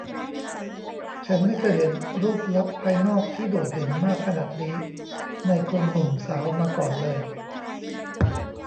ฉันไม่เคยเห็นรูปลักษณ์ภายนอกที่โดดเด่นมากขนาดนี้ในคนหนุ่มสาวมาก่อนเลย